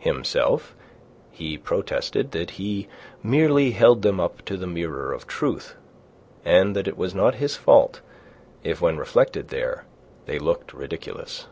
Himself he protested that he merely held them up to the mirror of truth, and that it was not his fault if when reflected there they looked ridiculous.